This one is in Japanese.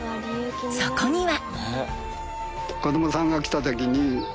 そこには。